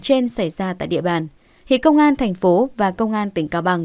trên xảy ra tại địa bàn thì công an thành phố và công an tỉnh cao bằng